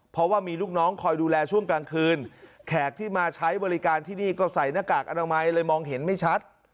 เพราะว่ามีลูกน้องคอยดูแลช่วงกลางคืนแขกที่มาใช้บริการที่นี่ก็ใส่หน้ากากอนามัยเลยมองเห็นไม่ชัด